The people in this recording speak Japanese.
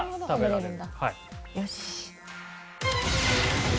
よし。